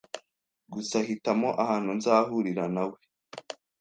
Gusa hitamo ahantu nzahurira nawe.